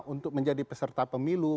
untuk menjadi peserta pemilu